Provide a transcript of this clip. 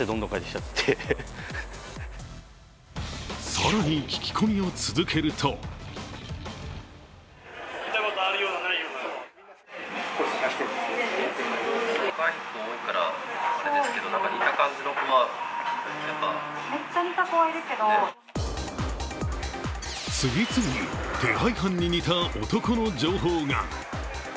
更に聞き込みを続けると次々に、手配犯に似た男の情報が。